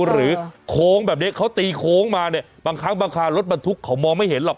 โค้งแบบนี้เขาตีโค้งมาเนี่ยบางครั้งบางคารถบรรทุกเขามองไม่เห็นหรอก